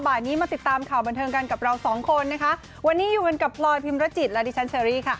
บ่ายนี้มาติดตามข่าวบันเทิงกันกับเราสองคนนะคะวันนี้อยู่กันกับพลอยพิมรจิตและดิฉันเชอรี่ค่ะ